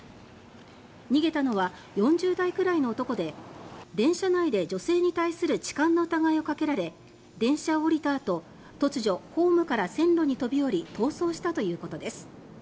逃げたのは４０代ぐらいの男で電車内で女性に対する痴漢の疑いをかけられ電車を降りたあと突如、ホームから線路に飛び降り逃走したということです。